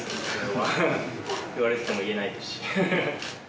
まあ、言われてても言えないですし。